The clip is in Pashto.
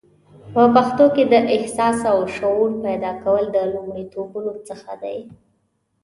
په پښتنو کې د احساس او شعور پیدا کول د لومړیتوبونو څخه دی